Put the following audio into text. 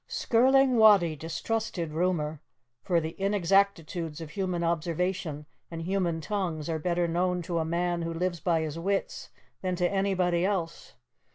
Skirling Wattie distrusted rumour, for the inexactitudes of human observation and human tongues are better known to a man who lives by his wits than to anybody else.